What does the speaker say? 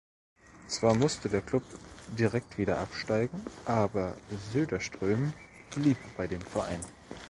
Zwar musste der Klub direkt wieder absteigen, aber Söderström blieb bei dem Verein.